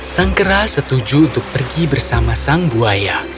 sang kera setuju untuk pergi bersama sang buaya